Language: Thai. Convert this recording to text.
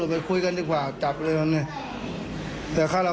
หลังตำรวจรับแจ้งแล้วนะครับ